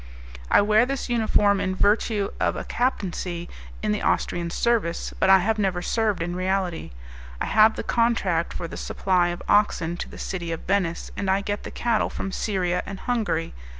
"I wear this uniform in virtue of a captaincy in the Austrian service, but I have never served in reality. I have the contract for the supply of oxen to the City of Venice, and I get the cattle from Styria and Hungary.